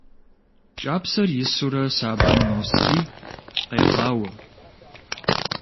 КӀапсэр исурэ сабэм носри, къегъауэ.